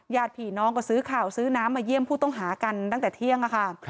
ผีน้องก็ซื้อข่าวซื้อน้ำมาเยี่ยมผู้ต้องหากันตั้งแต่เที่ยงค่ะ